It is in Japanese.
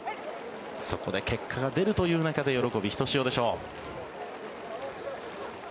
そこで結果が出るという中で喜びひとしおでしょう。